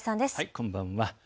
こんばんは。